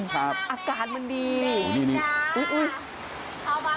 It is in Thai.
ครับอากาศมันดีโอ้โฮดีอุ๊ย